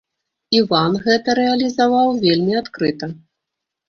Іван гэта рэалізаваў вельмі адкрыта.